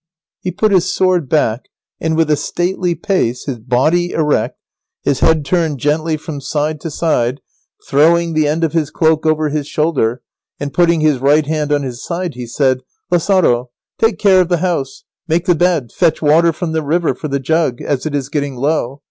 He put his sword back, and with a stately pace, his body erect, his head turned gently from side to side, throwing the end of his cloak over his shoulder, and putting his right hand on his side, he said, "Lazaro, take care of the house, make the bed, fetch water from the river for the jug, as it is getting low.